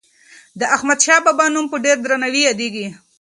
د احمدشاه بابا نوم په ډېر درناوي یادیږي.